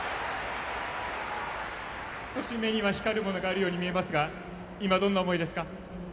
少し目には光るものがあるように見えますが今、どんな思いですか。